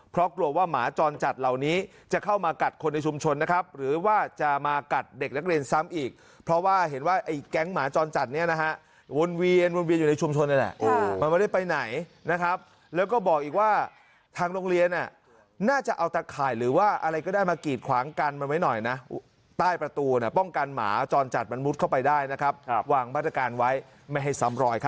เพราะกลัวว่าหมาจรจัดเหล่านี้จะเข้ามากัดคนในชุมชนนะครับหรือว่าจะมากัดเด็กนักเรียนซ้ำอีกเพราะว่าเห็นว่าไอ้แก๊งหมาจรจัดเนี่ยนะฮะวนเวียนวนเวียนอยู่ในชุมชนแล้วแหละมันไม่ได้ไปไหนนะครับแล้วก็บอกอีกว่าทางโรงเรียนน่าจะเอาตักข่ายหรือว่าอะไรก็ได้มากรีดขวางกันมันไว้หน่อยนะใต้ประต